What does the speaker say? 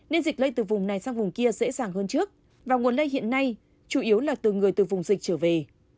nên dịch lây từ vùng này sang vùng kia dễ dàng hơn trước và nguồn lây hiện nay chủ yếu là từ người từ vùng dịch trở về